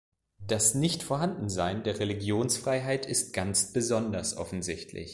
Das Nichtvorhandensein der Religionsfreiheit ist ganz besonders offensichtlich.